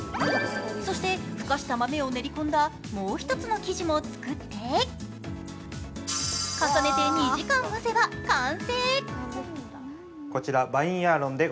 そしてふかした豆を練り込んだもう一つの生地も作って重ねて２時間蒸せば完成。